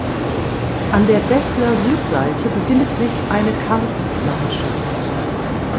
An der Besler Südseite befindet sich eine Karstlandschaft.